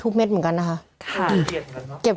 ผู้ต้องหาที่ขับขี่รถจากอายานยนต์บิ๊กไบท์